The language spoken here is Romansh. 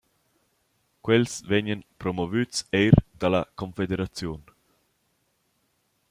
Quels vegnan promovüts eir da la Confederaziun.